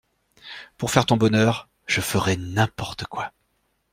Pour faire ton bonheur, je ferais n’importe quoi.